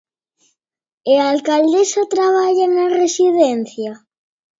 ¿E a alcaldesa traballa na residencia?